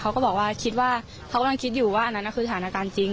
เขาก็บอกว่าคิดว่าเขากำลังคิดอยู่ว่าอันนั้นคือสถานการณ์จริง